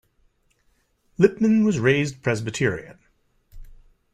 Lippman was raised Presbyterian.